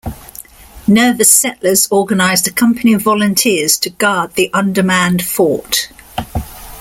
Nervous settlers organized a company of volunteers to guard the undermanned fort.